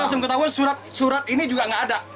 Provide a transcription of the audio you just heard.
tanpa sempat mengetahuan surat ini juga gak ada